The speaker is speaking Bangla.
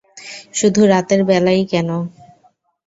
শুধু রাতের বেলায়ই কেন?